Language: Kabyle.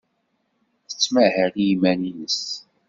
Tettmahal i yiman-nnes.